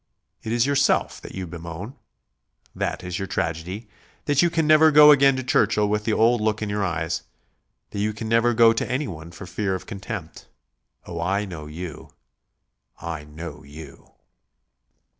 It is yourself that you bemoan. That is your tragedy, that you can never go again to Churchill with the old look in your eyes, that you can never go to anyone for fear of contempt.... Oh, I know you, I know you."